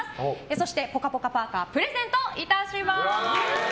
そして、ぽかぽかパーカをプレゼントいたします！